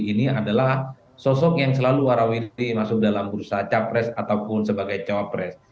ini adalah sosok yang selalu warawiri masuk dalam bursa capres ataupun sebagai cawapres